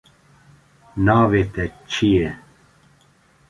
Navê te çi ye?